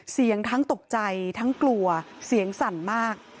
เสียงทั้งตกใจทั้งกลัวเสียงสั่นมาก